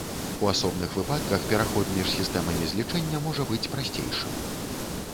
У асобных выпадках пераход між сістэмамі злічэння можа быць прасцейшым.